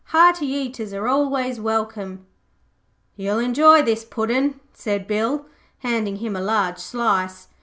'Hearty eaters are always welcome.' 'You'll enjoy this Puddin',' said Bill, handing him a large slice.